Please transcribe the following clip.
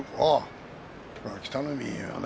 北の湖はね